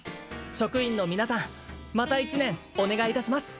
職員の皆さんまた１年お願いいたします